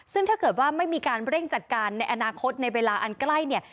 ซึ่งถ้าเกิดว่าไม่มีการเร่งจัดการในอนาคตในเวลาอันใกล้เนี่ย